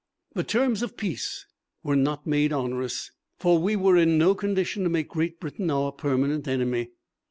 The terms of peace were not made onerous, for we were in no condition to make Great Britain our permanent enemy.